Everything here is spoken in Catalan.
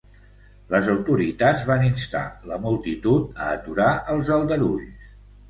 Les autoritats van instar la multitud a aturar els aldarulls.